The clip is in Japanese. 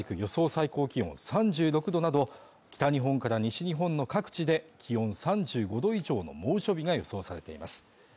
最高気温３６度など北日本から西日本の各地で気温３５度以上の猛暑日が予想されています